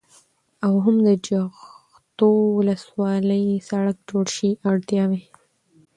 او هم د جغتو ولسوالۍ سړك جوړ شي. اړتياوې: